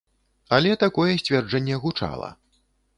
Але такое сцверджанне гучала.